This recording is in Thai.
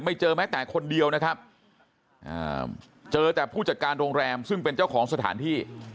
เจอแม้แต่คนเดียวนะครับเจอแต่ผู้จัดการโรงแรมซึ่งเป็นเจ้าของสถานที่